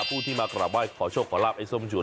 ผู้ที่มากราบไห้ขอโชคขอลาบไอ้ส้มชวน